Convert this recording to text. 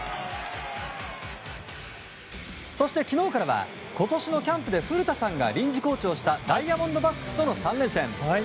そして昨日からは今年のキャンプで古田さんが臨時コーチをしたダイヤモンドバックスとの３連戦。